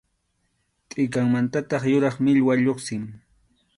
Tʼikanmantataq yuraq millwa lluqsin.